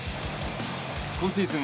今シーズン